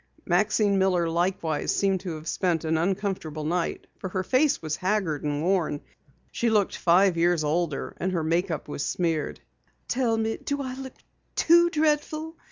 Maxine Miller likewise seemed to have spent an uncomfortable night, for her face was haggard and worn. She looked five years older and her make up was smeared. "Tell me, do I look too dreadful?"